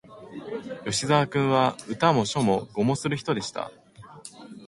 吉沢君は、歌も書も碁もする人でした